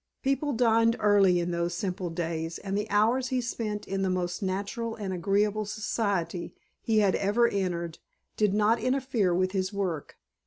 People dined early in those simple days and the hours he spent in the most natural and agreeable society he had ever entered did not interfere with his work.